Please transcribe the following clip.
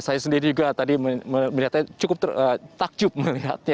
saya sendiri juga tadi melihatnya cukup takjub melihatnya